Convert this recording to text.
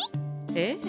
ええ。